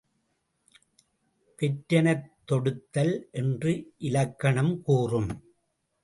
வெற்றெனத் தொடுத்தல் என்று இலக்கணம் கூறும்.